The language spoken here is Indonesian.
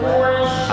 alumni darul inayah